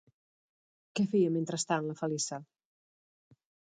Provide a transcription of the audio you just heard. Què feia, mentrestant, la Feliça?